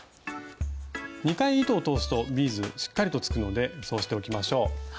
２回糸を通すとビーズしっかりと付くのでそうしておきましょう。